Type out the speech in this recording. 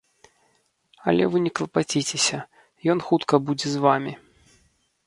Але вы не клапаціцеся, ён хутка будзе з вамі.